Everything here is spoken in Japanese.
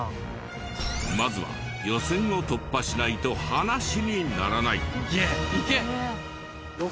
まずは予選を突破しないと話にならない。